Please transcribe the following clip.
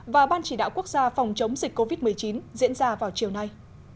và ban chỉ đạo quốc gia phòng chống dịch covid một mươi chín diễn ra vào chiều nay